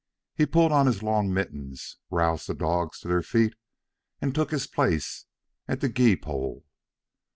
He pulled on his long mittens, roused the dogs to their feet, and took his Place at the gee pole.